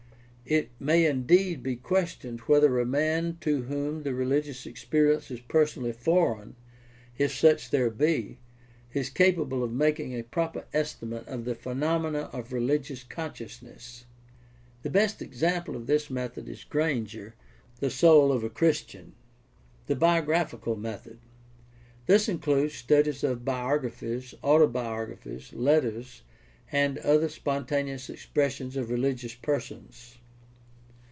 It may indeed be questioned whether a man to whom the religious experience is personally foreign, if such there be, is capable of making a proper estimate of the phenomena of religious consciousness. The best example of this method is Granger, The Soul of a Christian. The biographical method. — This includes studies of bi ographies, autobiographies, letters, and other spontaneous expressions of religious persons.